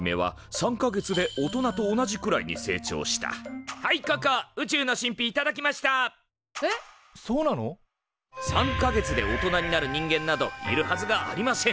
３か月で大人になる人間などいるはずがありません！